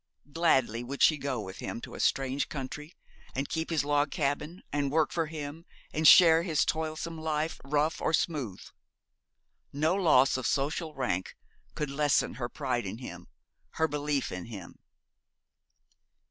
Gladly would she go with him to a strange country, and keep his log cabin, and work for him, and share his toilsome life, rough or smooth. No loss of social rank could lessen her pride in him, her belief in him.